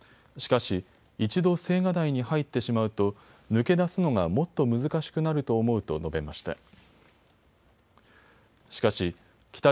しかし、一度、青瓦台に入ってしまうと抜け出すのがもっと難しくなると思うと述べました。